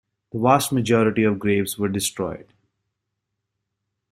The vast majority of graves were destroyed.